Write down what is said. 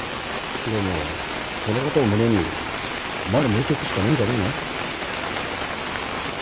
でもそのことを胸に前向いてくしかねえんじゃねえの？